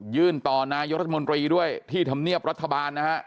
ยื่นต่อนายธรรมดรีที่ธรรเภ์รัฐบาล